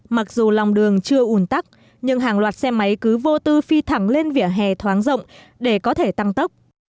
mặc dù lòng đường chưa ủn tắc nhưng hàng loạt xe máy cứ vô tư phi thẳng lên vỉa hè thoáng rộng để có thể tăng tốc